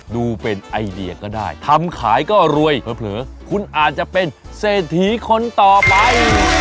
ดูเป็นไอเดียก็ได้ทำขายก็รวยเผลอคุณอาจจะเป็นเศรษฐีคนต่อไป